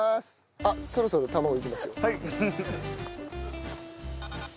あっそろそろ卵いきます？